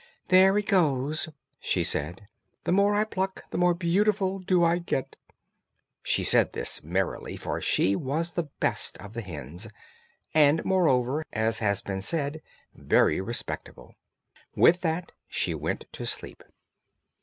"There it goes," she said; "the more I pluck, the more beautiful do I get." She said this merrily, for she was the best of the hens, and, moreover, as had been said, very respectable. With that she went to sleep.